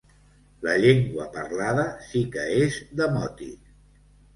La llengua parlada sí que és demòtic.